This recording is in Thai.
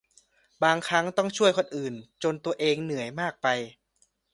บางครั้งต้องช่วยเหลือคนอื่นจนตัวเองเหนื่อยมากไป